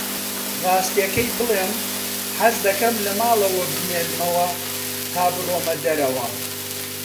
ڕاستییەکەی بڵێم، حەز دەکەم لە ماڵەوە بمێنمەوە تا بڕۆمە دەرەوە.